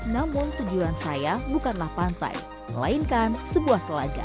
namun saya tidak berhasil menemukan pantai tetapi sebuah telaga